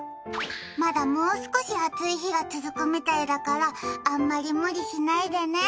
まだもう少し暑い日が続くみたいだからあんまり無理しないでね。